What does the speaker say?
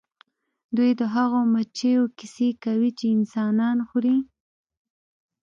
دوی د هغو مچیو کیسې کوي چې انسانان خوري